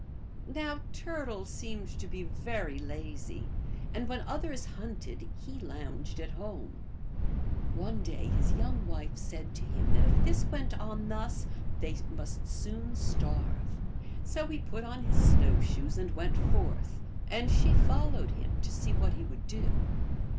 Now Turtle seemed to be very lazy, and when others hunted he lounged at home. One day his young wife said to him that if this went on thus they must soon starve. So he put on his snow shoes and went forth, and she followed him to see what he would do.